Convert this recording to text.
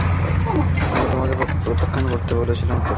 আমি তোমাকে প্রত্যাখান করতে বলেছিলাম তো!